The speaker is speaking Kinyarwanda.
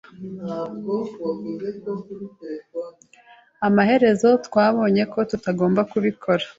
Amaherezo twabonye ko tutagomba kubikora.